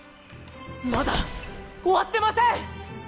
まだ終わってません！